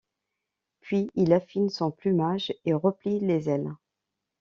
Puis il affine son plumage et replie les ailes.